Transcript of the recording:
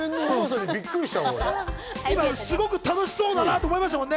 楽しそうだなと思いましたもんね。